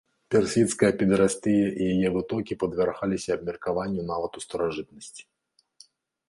Персідская педэрастыя і яе вытокі падвяргаліся абмеркаванню нават у старажытнасці.